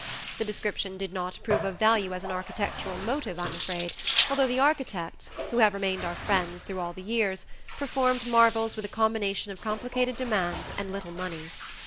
The description did not prove of value as an architectural motive I am afraid, although the architects, who have remained our friends through all the years, performed marvels with a combination of complicated demands and little money.